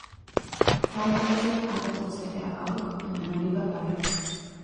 Zeitweise arbeitete er auch in einer Weberei.